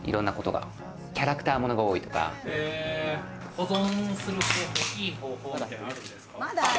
保存するいい方法はあるんですか？